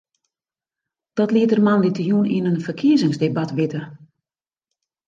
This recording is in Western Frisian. Dat liet er moandeitejûn yn in ferkiezingsdebat witte.